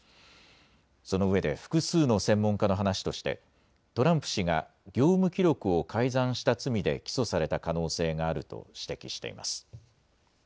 その上で複数の専門家の話として、トランプ氏が業務記録を改ざんした罪で起訴された可能性があると指摘しています。